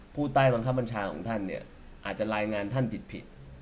ผู้ใต้บังคับบัญชาของท่านเนี่ยอาจจะรายงานท่านผิด